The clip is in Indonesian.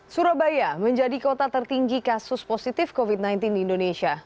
surabaya menjadi kota tertinggi kasus positif covid sembilan belas di indonesia